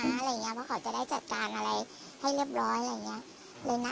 อะไรอย่างเงี้ยเพราะเขาจะได้จัดการอะไรให้เรียบร้อยอะไรอย่างเงี้ย